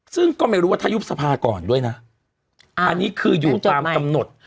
ซึ่งก็ไม่รู้ว่าถ้ายุบสภาก่อนด้วยนะอันนี้คืออยู่ตามกำหนด